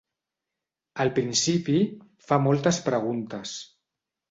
Al principi, fa moltes preguntes.